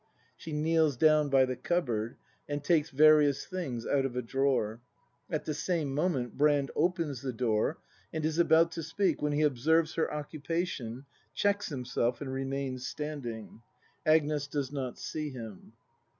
[SJie kneels down by the cupboard, and takes various things out of a drawer. At the same moment. Brand opens the door, and is about to speak, when he observes her occupation, checks himself and remains standing. Agnes does not see him.